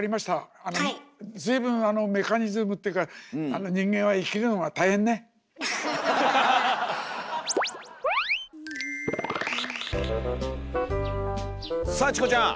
随分あのメカニズムっていうかさあチコちゃん。